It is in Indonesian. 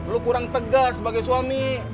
lu kurang tegas sebagai suami